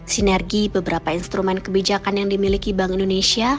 sinergi beberapa instrumen kebijakan yang dimiliki bank indonesia